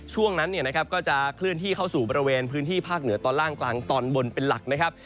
ช่วงนั้นก็จะเคลื่อนที่เข้าสู่บริเวณพื้นที่ภาคเหนือตอนล่างกลางตอนบนเป็นหลักนะครับ